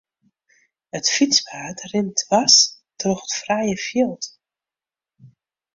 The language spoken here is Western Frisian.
It fytspaad rint dwers troch it frije fjild.